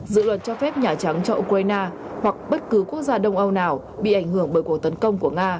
dự luật cho phép nhà trắng cho ukraine hoặc bất cứ quốc gia đông âu nào bị ảnh hưởng bởi cuộc tấn công của nga